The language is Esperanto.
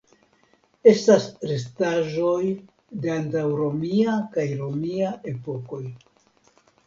Estas restaĵoj de antaŭromia kaj romia epokoj.